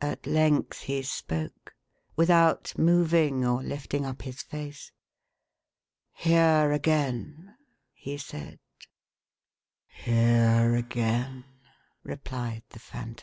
At length he spoke; without moving or lifting up his face. " Here again !" he said. " Here again !" replied the Phantom.